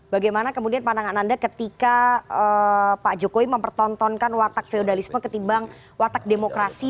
bagaimana kemudian pandangan anda ketika pak jokowi mempertontonkan watak feudalisme ketimbang watak demokrasi